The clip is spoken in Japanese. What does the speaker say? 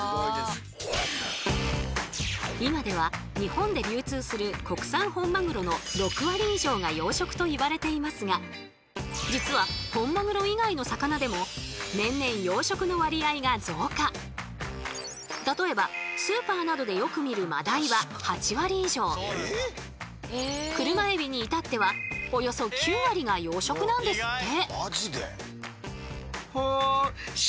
今では日本で流通する国産本マグロの６割以上が養殖といわれていますが実は例えばスーパーなどでよく見るマダイは８割以上クルマエビに至ってはおよそ９割が養殖なんですって。